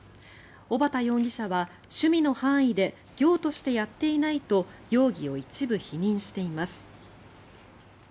小幡容疑者は趣味の範囲で業としてやっていないと容疑を一部否認しています。